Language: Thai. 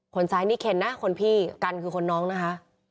คนซ้ายนี่เคนนะคนพี่กันคือคนน้องนะคะ